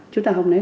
chúng ta không nên